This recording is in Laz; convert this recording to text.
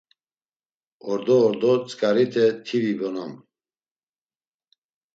Ordo ordo tzǩarite ti vibonam.